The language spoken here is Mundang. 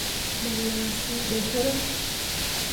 Me lah suu ɓe hǝraŋ.